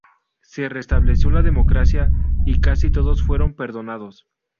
Se restableció la democracia, y casi todos fueron perdonados.